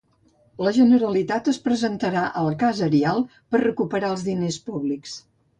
La Generalitat es presentarà al cas Erial per a recuperar els diners públics.